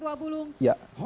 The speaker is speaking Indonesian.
tidak hanya yang dipakai